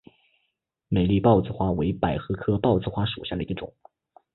美丽豹子花为百合科豹子花属下的一个种。